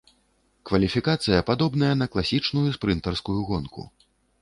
Кваліфікацыя падобная на класічную спрынтарскую гонку.